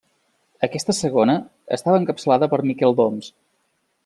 Aquesta segona estava encapçalada per Miquel d'Oms.